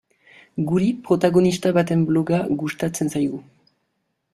Guri, protagonista baten bloga gustatzen zaigu.